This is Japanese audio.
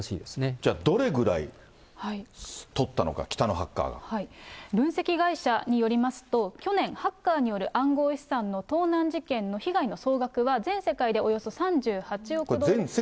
じゃあどれぐらい取ったのか、分析会社によりますと、去年、ハッカーによる暗号資産の盗難事件の被害の総額は、全世界でおよそ３８億ドル。